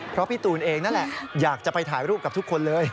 เพราะพี่ตูนเองนั่นแหละอยากจะไปถ่ายรูปกับทุกคนเลย